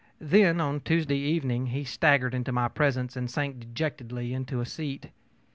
Then, on Tuesday evening, he staggered into my presence and sank dejectedly into a seat.